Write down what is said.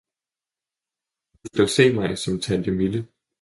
Du skal se mig som Tante Mille.